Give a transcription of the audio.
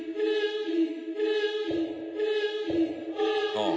ああ。